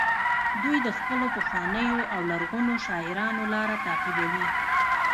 دوی د خپلو پخوانیو او لرغونو شاعرانو لاره تعقیبوي